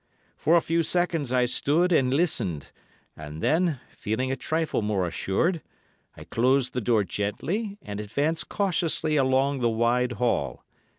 For a few seconds I stood and listened, and then, feeling a trifle more assured, I closed the door gently and advanced cautiously along the wide hall.